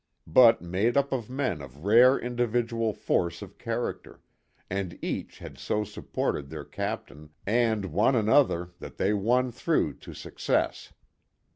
But made up of men of rare individual force of character, and each had so supported their captain and one another that they won through to success.